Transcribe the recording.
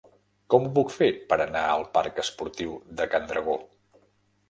Com ho puc fer per anar al parc Esportiu de Can Dragó?